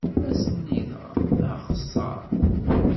Ass-nni dɣa, d axeṣṣaṛ.